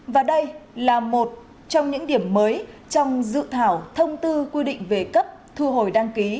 và đây là một trong những điểm mới trong dự thảo thông tư quy định về cấp thu hồi đăng ký